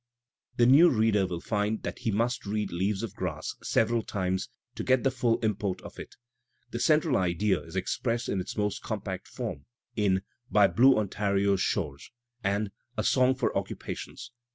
The new reader will find that he must read "Leaves of Grass'' several times to get the full import of it. The central idea is expressed in its most compact form in "By Blue Ontario's Shores" and "A Song for Occupations."